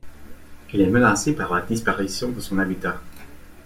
Il est menacé par la disparition de son habitat.